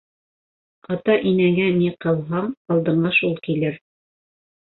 Ата-инәңә ни ҡылһаң, алдыңа шул килер.